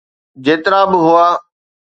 جيترا به هئا.